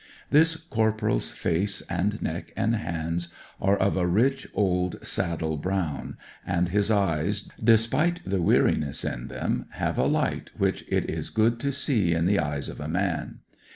This corporal's face and neck and hands are of a rich old saddle brown, and his iW A REVEREND CORPORAL 109 eyes, despite the weariness in them, have a light which it is good to see in the eyes of a man.